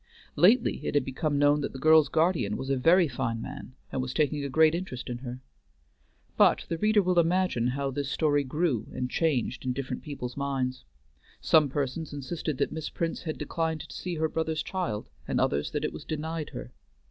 Lately it had become known that the girl's guardian was a very fine man and was taking a great interest in her. But the reader will imagine how this story grew and changed in different people's minds. Some persons insisted that Miss Prince had declined to see her brother's child, and others that it was denied her.